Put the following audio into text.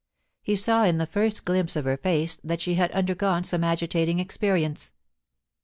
He saw in the first glimpse of her face that she had under gone some agitating experience.